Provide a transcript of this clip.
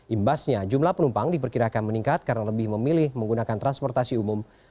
imbasnya jumlah penumpang diperkirakan meningkat karena lebih memilih menggunakan transportasi umum